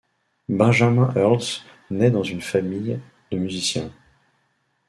Benjamin Herzl, naît dans une famille de musicien.